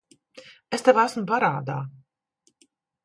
Es tev esmu parādā.